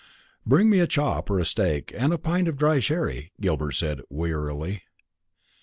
"Bring me a chop or a steak, and a pint of dry sherry," Gilbert said wearily.